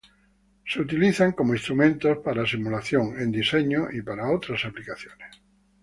Son utilizadas como instrumentos, para simulación, en diseño, y para otras aplicaciones.